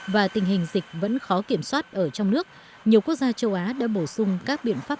và tình hình dịch vẫn khó kiểm soát ở trong nước nhiều quốc gia châu á đã bổ sung các biện pháp